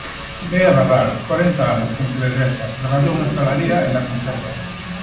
Bea Barral, corenta anos, pontevedresa, traballou na hostalaría e na conserva.